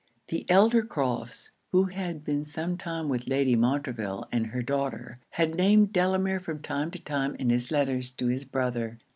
The elder Crofts, who had been some time with Lady Montreville and her daughter, had named Delamere from time to time in his letters to his brother.